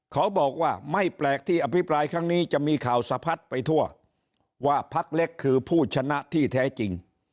เขาบอกว่าไม่แปลกที่อภิปรายครั้งนี้จะมีข่าวสะพัดไปทั่วว่าพักเล็กคือผู้ชนะที่แท้จริง